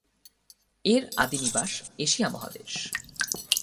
এর আদিনিবাস এশিয়া মহাদেশ।